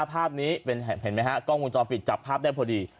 ภาพนี้เป็นเห็นมั้ยฮะกล้องคู่จอมผิดจับภาพได้พอดี